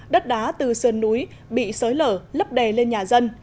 đất đá từ sơn núi bị sới lở lấp đè lên nhà dân